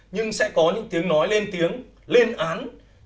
nhưng sẽ có những tiếng nói lên tiếng lên án